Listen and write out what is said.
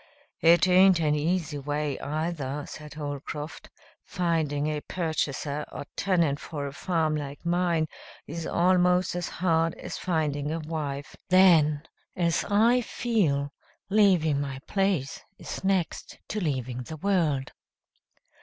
"It aint an easy way, either," said Holcroft. "Finding a purchaser or tenant for a farm like mine is almost as hard as finding a wife. Then, as I feel, leaving my place is next to leaving the world."